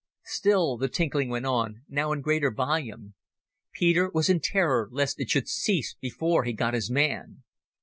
Still the tinkling went on, now in greater volume. Peter was in terror lest it should cease before he got his man.